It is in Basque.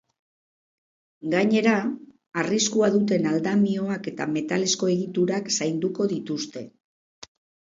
Gainera, arriskua duten aldamioak eta metalezko egiturak zainduko dituzte.